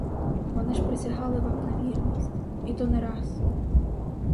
Вони ж присягали вам на вірність, і то не раз!